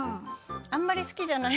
あまり好きじゃない。